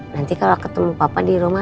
nanti kalau ketemu papa di rumah